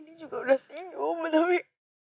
ini juga udah senyum tapi